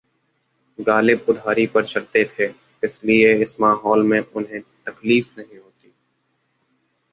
'गालिब उधारी पर चलते थे, इसलिए इस माहौल में उन्हें तकलीफ नहीं होती'